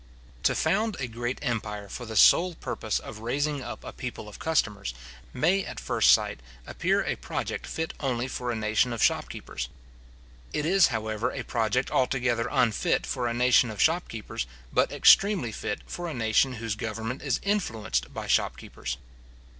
To found a great empire for the sole purpose of raising up a people of customers, may at first sight, appear a project fit only for a nation of shopkeepers. It is, however, a project altogether unfit for a nation of shopkeepers, but extremely fit for a nation whose government is influenced by shopkeepers.